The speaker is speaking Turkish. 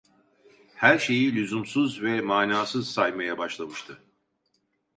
Her şeyi lüzumsuz ve manasız saymaya başlamıştı.